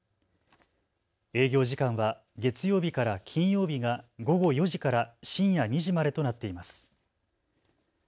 営業時間は月曜日から金曜日が午後４時から深夜２時までとなっています。